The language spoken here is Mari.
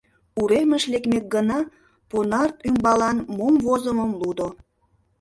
Уремыш лекмек гына понарт ӱмбалан мом возымым лудо.